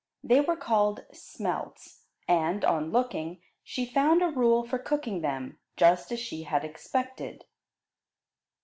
They were called smelts, and, on looking, she found a rule for cooking them, just as she had expected.